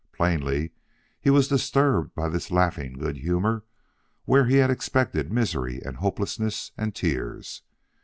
Plainly he was disturbed by this laughing good humor where he had expected misery and hopelessness and tears.